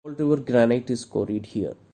Fall River granite is quarried here.